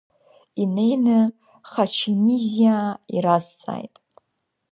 Инеины Хачемизиаа иразҵааит.